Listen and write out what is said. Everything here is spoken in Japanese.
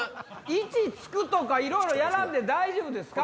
位置就くとかいろいろやらんで大丈夫ですか？